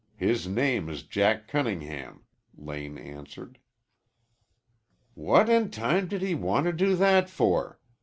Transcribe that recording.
His name is Jack Cunningham," Lane answered. "What in time did he want to do that for?